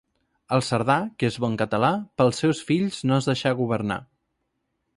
El cerdà que és bon català, pels seus fills no es deixarà governar.